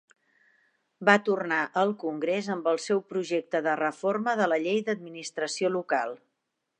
Va tornar al Congrés amb el seu projecte de reforma de la Llei d'Administració Local.